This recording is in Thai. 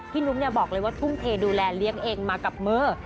นุ๊กบอกเลยว่าทุ่มเทดูแลเลี้ยงเองมากับเมอร์